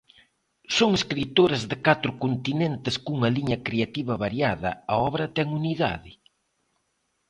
Son escritores de catro continentes cunha liña creativa variada, a obra ten unidade?